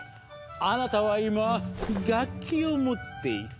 あなたは今楽器を持っている。